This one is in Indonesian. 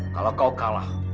kalau kau kalah